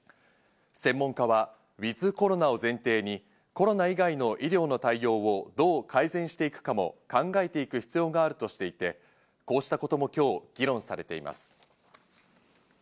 専門家はｗｉｔｈコロナを前提にコロナ以外の医療の対応をどう改善していくかも考えていく必要があるとしていて、こうしたことも今日議論されています。